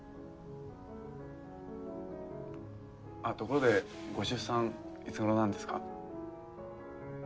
あところでご出産いつごろなんですか？